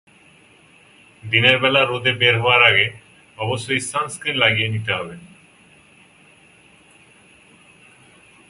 দিনের বেলা রোদে বের হওয়ার আগে অবশ্যই সানস্ক্রিন লাগিয়ে নিতে হবে।